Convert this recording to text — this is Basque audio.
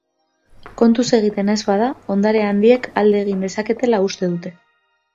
Kontuz egiten ez bada ondare handiek alde egin dezaketela uste dute.